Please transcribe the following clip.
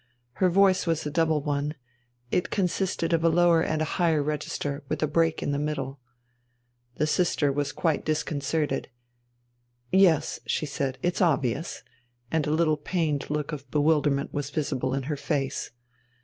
Her voice was a double one; it consisted of a lower and a higher register, with a break in the middle. The sister was quite disconcerted. "Yes," she said, "it's obvious." And a little pained look of bewilderment was visible in her face.